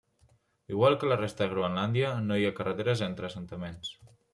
Igual que a la resta de Groenlàndia, no hi ha carreteres entre assentaments.